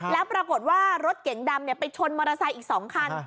แล้วปรากฏว่ารถเก๋งดำไปชนมอเตอร์ไซค์อีก๒คัน